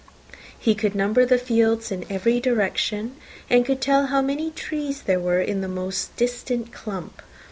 He could number the fields in every direction, and could tell how many trees there were in the most distant clump.